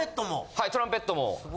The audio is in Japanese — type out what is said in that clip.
はいトランペットも。